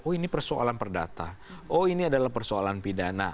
oh ini persoalan perdata oh ini adalah persoalan pidana